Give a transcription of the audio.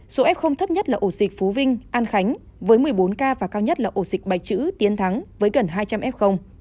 số f thấp nhất là ổ dịch phú vinh an khánh với một mươi bốn ca và cao nhất là ổ dịch bạch chữ tiến thắng với gần hai trăm linh f